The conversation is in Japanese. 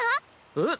えっ？